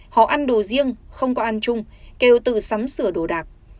họ ăn đồ riêng không có ăn chung kêu tự sắm sửa đồ đạc